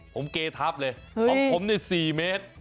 ผมเกย์ทับเลยเอาคมได้๔เมตร